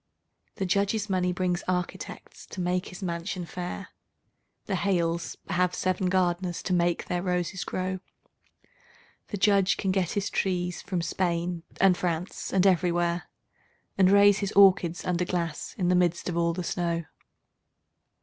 The Judge's money brings architects to make his mansion fair; The Hales have seven gardeners to make their roses grow; The Judge can get his trees from Spain and France and everywhere, And raise his orchids under glass in the midst of all the snow.